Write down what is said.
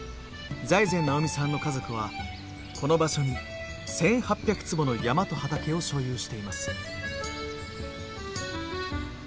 財前直見さんの家族はこの場所に１，８００坪の山と畑を所有しています。